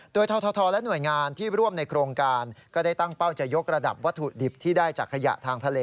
โดยททและหน่วยงานที่ร่วมในโครงการก็ได้ตั้งเป้าจะยกระดับวัตถุดิบที่ได้จากขยะทางทะเล